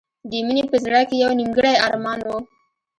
د مینې په زړه کې یو نیمګړی ارمان و